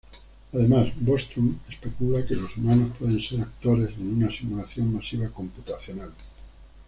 Además, Bostrom especula que los humanos pueden ser actores en una simulación masiva computacional.